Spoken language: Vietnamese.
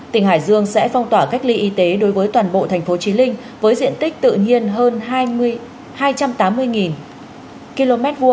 tỉnh hải dương sẽ phong tỏa cách ly y tế đối với toàn bộ thành phố trí linh với diện tích tự nhiên hơn hai trăm tám mươi km hai